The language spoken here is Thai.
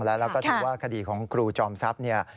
แล้วก็ถามว่าคดีของกรูจอมทรัพย์